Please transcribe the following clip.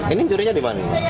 ini mencurinya di mana